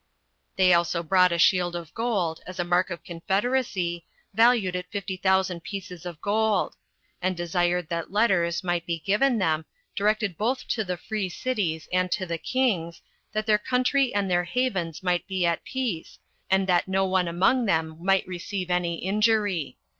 They also brought a shield of gold, as a mark of confederacy, valued at fifty thousand pieces of gold; and desired that letters might be given them, directed both to the free cities and to the kings, that their country and their havens might be at peace, and that no one among them might receive any injury.